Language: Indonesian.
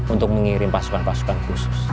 untuk mengirim pasukan pasukan khusus